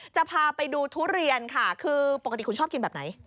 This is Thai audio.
จะพาไปดูทุเรียนค่ะคือปกติคุณชอบกินแบบไหน